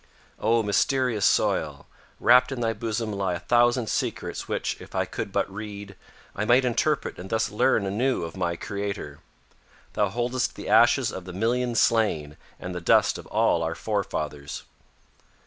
"O mysterious soil! Wrapped in thy bosom lie a thousand secrets which, if I could but read, I might interpret and thus learn anew of my Creator. Thou holdest the ashes of the millions slain, and the dust of all our forefathers.